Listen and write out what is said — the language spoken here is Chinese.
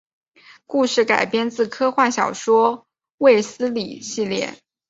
故事改编自科幻小说卫斯理系列。